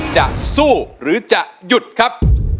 จะสู้หรือจะหยุดครับ